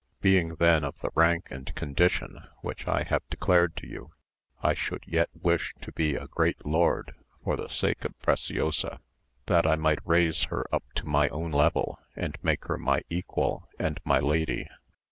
Being then of the rank and condition which I have declared to you, I should yet wish to be a great lord for the sake of Preciosa, that I might raise her up to my own level, and make her my equal and my lady.